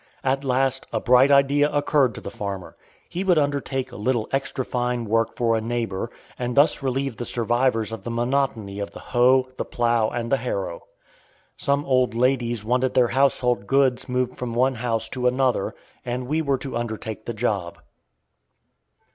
At last a bright idea occurred to the farmer. He would undertake a little extra fine work for a neighbor, and thus relieve the survivors of the monotony of the hoe, the plow, and the harrow. Some old ladies wanted their household goods moved from one house to another, and we were to undertake the job.